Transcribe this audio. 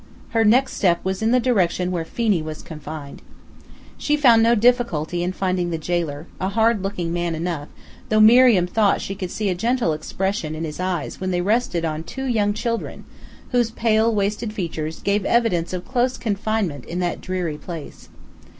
Her next step was in the direction where Phenee was confined. She found no difficulty in finding the jailer, a hard looking man enough, though Miriam thought she could see a gentle expression in his eyes when they rested on two young children, whose pale, wasted features gave evidence of close confinement in that dreary place.